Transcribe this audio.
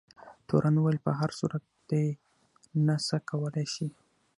تورن وویل په هر صورت دی نه څه کولای شي.